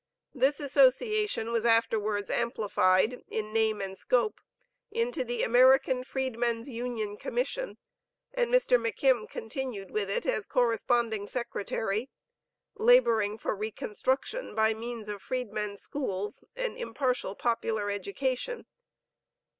This association was afterwards amplified, in name and scope, into the American Freedman's Union Commission, and Mr. McKim continued with it as corresponding secretary, laboring for reconstruction by means of Freedman's schools, and impartial popular education.